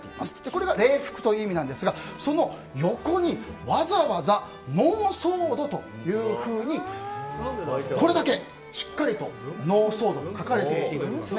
これが礼服という意味なんですがその横に、わざわざノーソードというふうにこれだけ、しっかりとノーソードと書かれているんです。